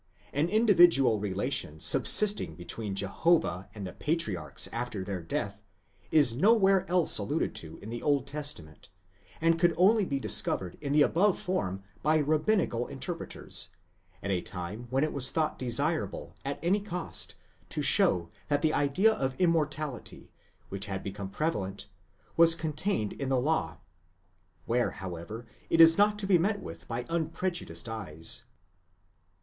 An individual relation subsisting between Jehovah and the patriarchs after their death, is nowhere else alluded to in the Old Testament, and could only be discovered in the above form by rabbinical interpreters, at a time when it was thought desirable, at any cost, to show that the idea of immortality, which had become prevalent, was contained in the law; where, however, it is not to be met with by unprejudiced eyes.